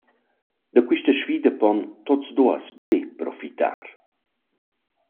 Da quista sfida pon tuots duos be profitar.